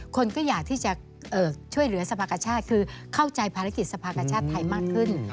คนก็อยากที่จะช่วยเหลือสภากชาติคือเข้าใจภารกิจสภากชาติไทยมากขึ้น